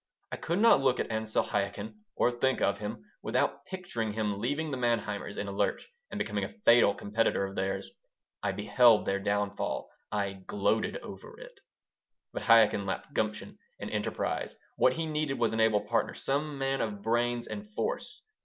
I could not look at Ansel Chaikin, or think of him, without picturing him leaving the Manheimers in a lurch and becoming a fatal competitor of theirs. I beheld their downfall. I gloated over it But Chaikin lacked gumption and enterprise. What he needed was an able partner, some man of brains and force.